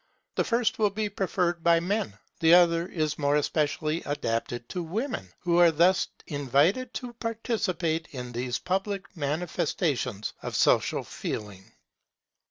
The first will be preferred by men; the other is more especially adapted to women, who are thus invited to participate in these public manifestations of social feeling.